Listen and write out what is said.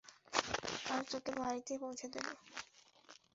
আর তোকে বাড়িতে পৌছে দেবো।